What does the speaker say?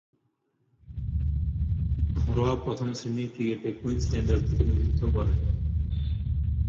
ঘরোয়া প্রথম-শ্রেণীর ক্রিকেটে কুইন্সল্যান্ডের প্রতিনিধিত্ব করেন।